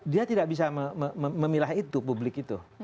dia tidak bisa memilah itu publik itu